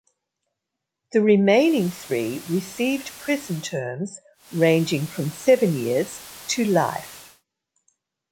The remaining three received prison terms ranging from seven years to life.